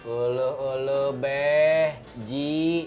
ulu ulu beh ji